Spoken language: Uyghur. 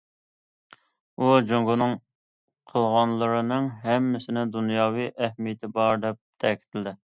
ئۇ: جۇڭگونىڭ قىلغانلىرىنىڭ ھەممىسىنىڭ دۇنياۋى ئەھمىيىتى بار دەپ تەكىتلىدى.